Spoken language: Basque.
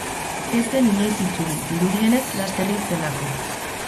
Ez zen inoiz itzuli, dirudienez laster hil zelako.